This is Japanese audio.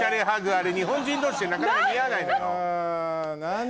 あれ日本人同士でなかなか似合わないのよ。